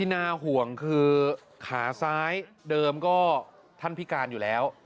น่าห่วงคือขาซ้ายเดิมก็ท่านพิการอยู่แล้ว